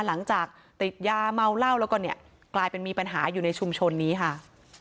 หลังจากติดยาเมาเหล้าแล้วก็เนี่ยกลายเป็นมีปัญหาอยู่ในชุมชนนี้ค่ะ